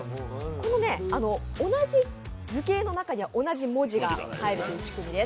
同じ図形の中には同じ文字が入るという仕組みです。